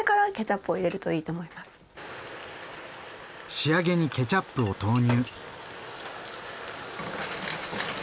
仕上げにケチャップを投入。